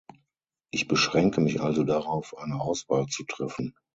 Ich beschränke mich also darauf, eine Auswahl zu treffen.